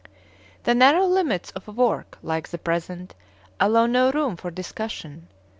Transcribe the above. The narrow limits of a work like the present allow no room for discussion.